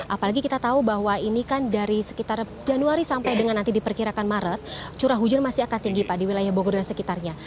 apalagi kita tahu bahwa ini kan dari sekitar januari sampai dengan nanti diperkirakan maret curah hujan masih akan tinggi pak di wilayah bogor dan sekitarnya